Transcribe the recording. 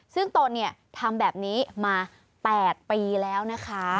ซึ่งตนเนี่ยทำแบบนี้มา๘ปีแล้วนะคะ